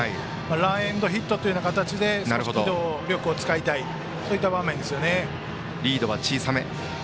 ランエンドヒットという形で少し機動力を使いたい場面です。